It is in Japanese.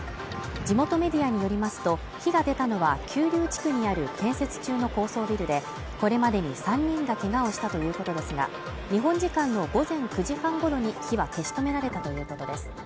地元メディアによりますと、火が出たのは九龍地区にある建設中の高層ビルでこれまでに３人がけがをしたということですが、日本時間の午前９時半ごろに火は消し止められたということです。